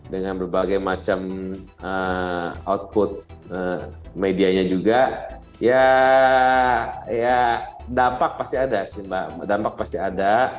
dengan berbagai macam output medianya juga ya dampak pasti ada sih mbak dampak pasti ada